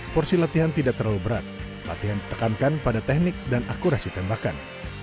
porsi latihan tidak terlalu berat latihan ditekankan pada teknik dan akurasi tembakan